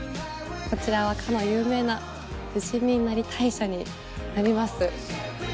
こちらはかの有名な伏見稲荷大社になります。